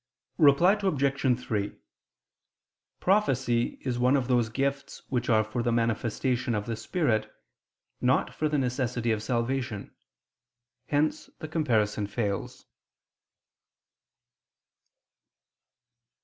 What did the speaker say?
Reply Obj. 3: Prophecy is one of those gifts which are for the manifestation of the Spirit, not for the necessity of salvation: hence the comparison fails.